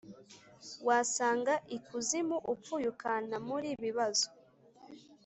wasanga ikuzimu upfuye ukanta muri bibazo"